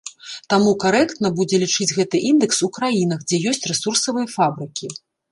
Таму карэктна будзе лічыць гэты індэкс у краінах, дзе ёсць рэсурсавыя фабрыкі.